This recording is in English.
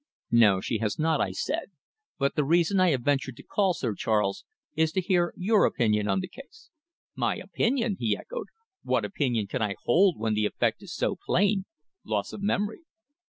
"No, she has not," I said. "But the reason I have ventured to call, Sir Charles, is to hear your opinion on the case." "My opinion!" he echoed. "What opinion can I hold when the effect is so plain loss of memory?"